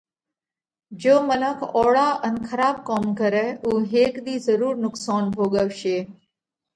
جيو منک اوۯا ان کراٻ ڪوم ڪرئه اُو هيڪ ۮِي ضرُور نُقصونَ ڀوڳوَشي۔